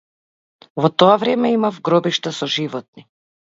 Во тоа време имав гробишта со животни.